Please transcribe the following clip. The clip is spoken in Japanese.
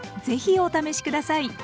ぜひお試し下さい。